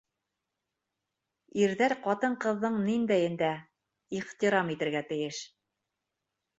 Ирҙәр ҡатын-ҡыҙҙың ниндәйен дә... ихтирам... итергә тейеш!